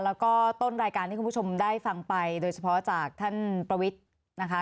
แล้วก็ต้นรายการที่คุณผู้ชมได้ฟังไปโดยเฉพาะจากท่านประวิทย์นะคะ